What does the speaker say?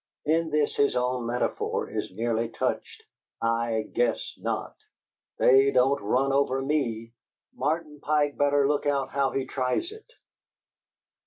In this his own metaphor is nearly touched "I guess not! They don't run over ME! Martin Pike better look out how he tries it!"